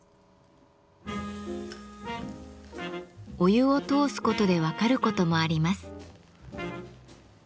お湯を通すことで分かることもあります。